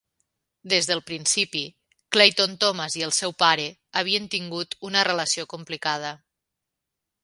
Des del principi, Clayton-Thomas i el seu pare havien tingut una relació complicada.